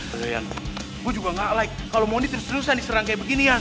aduh yang gue juga gak like kalau mondi terus terusan diserang kayak begini yang